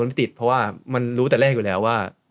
มันติดเพราะว่ามันรู้แต่แรกอยู่แล้วว่า